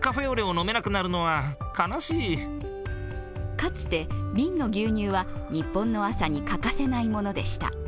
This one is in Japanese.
かつて、瓶の牛乳は日本の朝に欠かせないものでした。